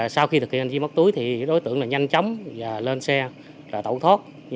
sau khi thực hiện hành vi móc túi đối tượng nhanh chóng lên xe tẩu thốt